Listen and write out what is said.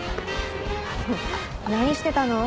何してたの？